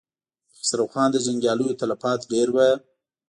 د خسرو خان د جنګياليو تلفات ډېر و.